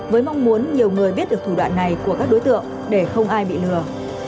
với mong muốn nhiều người biết được thủ đoạn này của các đối tượng để không ai bị lừa